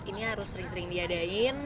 ini harus sering sering diadain